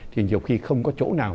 thì nhiều khi không có chỗ nào